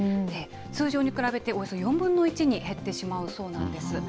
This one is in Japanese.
通常に比べておよそ４分の１に減ってしまうそうなんです。